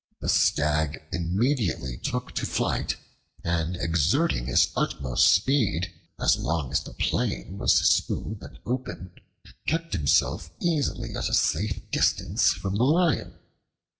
The Stag immediately took to flight, and exerting his utmost speed, as long as the plain was smooth and open kept himself easily at a safe distance from the Lion.